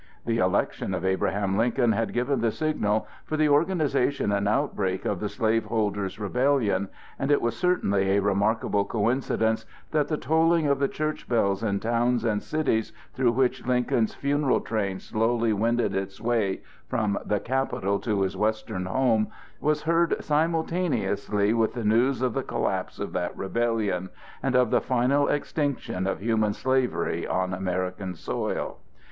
The election of Abraham Lincoln had given the signal for the organization and outbreak of the slaveholders' rebellion, and it was certainly a remarkable coincidence that the tolling of the church bells in towns and cities through which Lincoln's funeral train slowly wended its way from the capital to his Western home was heard simultaneously with the news of the collapse of that rebellion and of the final extinction of human slavery on American soil.